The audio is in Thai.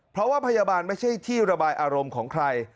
เพราะว่าพยาบาลไม่ใช่ที่ระบายอารมณ์ของใคร